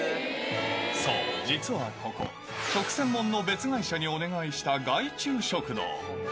そう、実はここ、食専門の別会社にお願いした外注食堂。